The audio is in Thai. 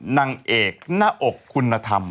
นางเอกหน้าอกคุณธรรม